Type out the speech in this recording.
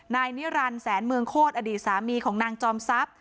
นายนิรันดิ์แสนเมืองโคตรอดีตสามีของนางจอมทรัพย์